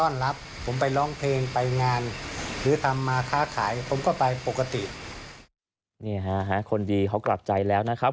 นี่ฮะคนดีเขากลับใจแล้วนะครับ